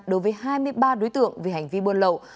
đối với hai mươi ba đối tượng vì hành vi buôn lậu